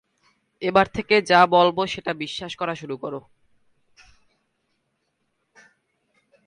এবার থেকে যা বলব সেটা বিশ্বাস করা শুরু করো।